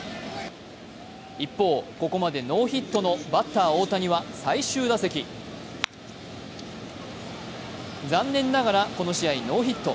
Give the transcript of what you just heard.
一方、ここまでノーヒットのバッター・大谷は最終打席、残念ながらこの試合、ノーヒット。